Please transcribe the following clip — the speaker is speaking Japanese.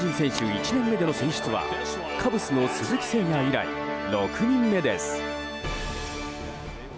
１年目での選出はカブスの鈴木誠也以来６人目です。